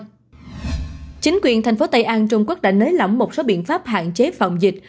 tuy nhiên thành phố tây an trung quốc đã nới lỏng một số biện pháp hạn chế phòng dịch